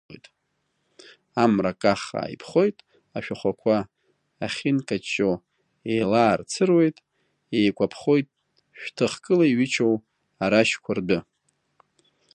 Амра каххаа иԥхоит, ашәахәақәа ахьынкаҷҷо еилаарцыруеит, еикәаԥхоит шәҭы хкыла иҩычоу Арашьқәа рдәы.